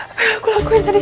apa yang aku lakuin tadi